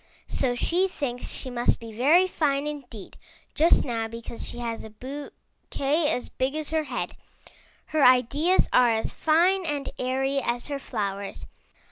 So she thinks she must be very fine indeed just now because she has a bouquet as big as her head. Her ideas are as fine and airy as her flowers.